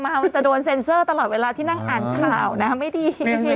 มันจะโดนเซ็นเซอร์ตลอดเวลาที่นั่งอ่านข่าวนะไม่ดี